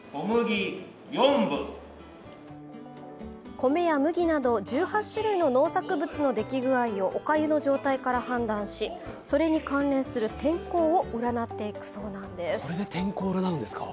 米や麦など１８種類の農作物の出来具合をおかゆの状態から判断し、それに関連する天候を占っていくそうなんです。